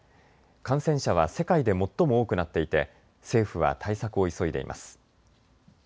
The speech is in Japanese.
感染者は世界で最も多くなっていて政府は対策を急いでいます。